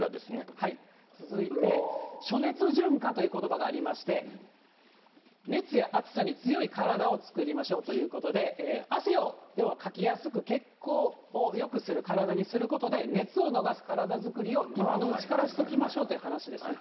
続いて、暑熱順化ということばがありまして、熱や暑さに強い体を作りましょうということで、汗を要はかきやすく、血行をよくする体にすることで、熱を逃す体作りを今のうちからしときましょうという話ですね。